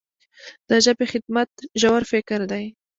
د ژبې خدمت ژور فکر دی.